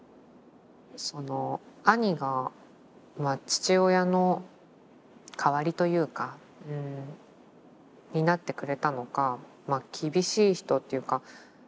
その兄が父親の代わりというかになってくれたのかまあ厳しい人っていうか。